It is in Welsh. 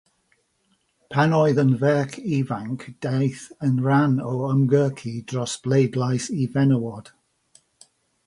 Pan oedd yn ferch ifanc, daeth yn rhan o ymgyrchu dros bleidlais i fenywod.